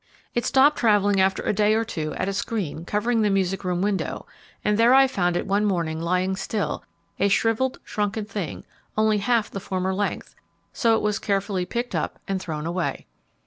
It stopped travelling after a day or two at a screen covering the music room window, and there I found it one morning lying still, a shrivelled, shrunken thing; only half the former length, so it was carefully picked up, and thrown away!